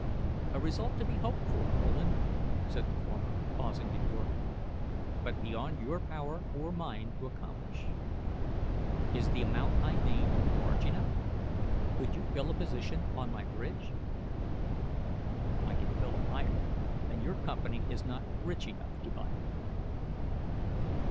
"A result to be hoped for, Rowland," said the former, pausing before him, "but beyond your power or mine to accomplish. Is the amount I named large enough? Could you fill a position on my bridge?" "I can fill a higher; and your company is not rich enough to buy me."